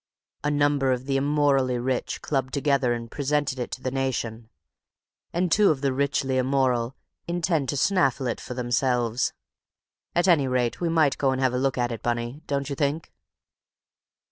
A number of the immorally rich clubbed together and presented it to the nation; and two of the richly immoral intend to snaffle it for themselves. At any rate we might go and have a look at it, Bunny, don't you think?"